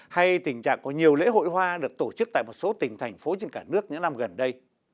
hay tình trạng có nhiều lễ hội hoa được tổ chức tại một số tỉnh thành phố trên cả nước những năm gần đây